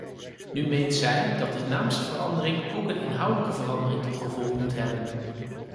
Nu meent zij dat de naamsverandering ook een inhoudelijke verandering tot gevolg moet hebben.